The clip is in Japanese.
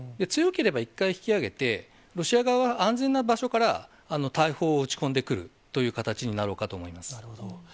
強ければ一回引き上げて、ロシア側は安全な場所から大砲を撃ち込んでくるという形になろうかと思います。